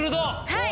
はい。